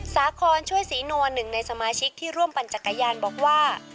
สาคอนช่วยศรีนวลหนึ่งในสมาชิกที่ร่วมปั่นจักรยานบอกว่า